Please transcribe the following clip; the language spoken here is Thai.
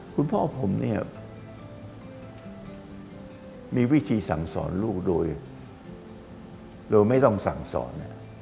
คุณพ่อผมเนี่ยมีวิธีสั่งสอนลูกโดยไม่ต้องสั่งสอน